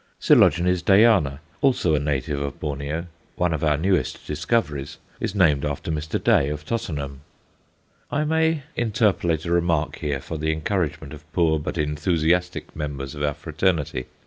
Coel. Dayana, also a native of Borneo, one of our newest discoveries, is named after Mr. Day, of Tottenham. I may interpolate a remark here for the encouragement of poor but enthusiastic members of our fraternity.